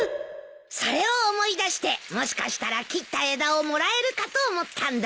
それを思い出してもしかしたら切った枝をもらえるかと思ったんだ。